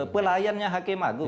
pelayannya hakim agung